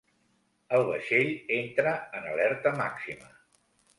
El vaixell entra en alerta màxima.